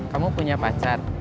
kamu punya pacar